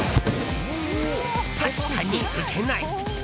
確かに打てない。